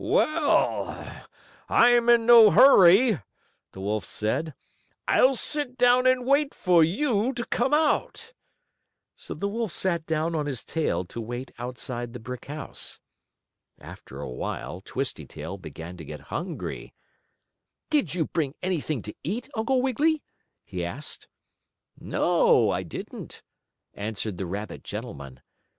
"Well, I'm in no hurry," the wolf said. "I'll sit down and wait for you to come out." So the wolf sat down on his tail to wait outside the brick house. After a while Twisty Tail began to get hungry. "Did you bring anything to eat, Uncle Wiggily?" he asked. "No, I didn't," answered the rabbit gentleman.